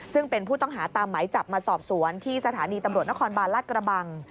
ซึ่งเป็นผู้ต้องหาตามไหมจับมาสอบสวนที่สถานีตำรวจนครบาลลาดกระบัง